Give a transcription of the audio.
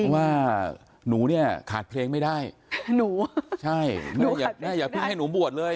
ว่าหนูเนี่ยขาดเพลงไม่ได้หนูใช่แล้วอย่าให้หนูบวชเลย